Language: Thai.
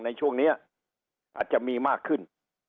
ในช่วงนี้อาจจะมีมากขึ้น